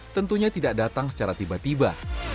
tentunya tidak datang secara tiba tiba